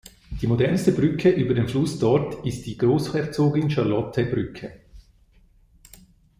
Die modernste Brücke über den Fluss dort ist die Großherzogin-Charlotte-Brücke.